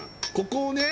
ここをね